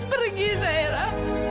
mas pergi zaira